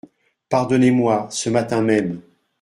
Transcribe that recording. Pardonnez-moi, ce matin même.